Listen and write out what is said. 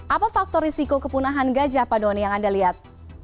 apa faktor risiko kepunahan gajah pak doni yang anda lihat